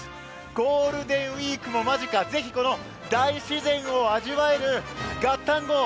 ゴールデンウィークも間近、ぜひこの大自然を味わえるＧａｔｔａｎＧＯ！！